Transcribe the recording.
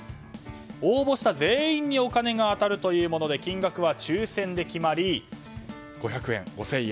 応募した全員にお金が当たるというもので金額は抽せんで決まり５００円、５０００円